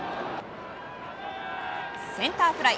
センターフライ。